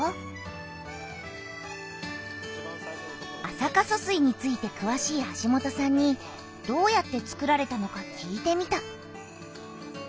安積疏水についてくわしい橋本さんにどうやってつくられたのか聞いてみた。